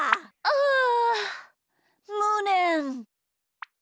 あむねん！